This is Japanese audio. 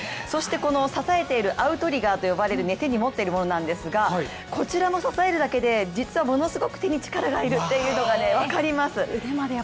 そしてこの支えているアウトリガーと呼ばれる手に持っているものですがこちらも支えるだけで実はものすごく力がいるってことが分かります。